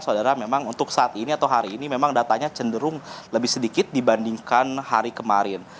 saudara memang untuk saat ini atau hari ini memang datanya cenderung lebih sedikit dibandingkan hari kemarin